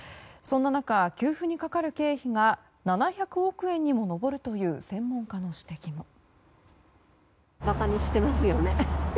そんな中、給付にかかる経費が７００億円にも上るという専門家の指摘も。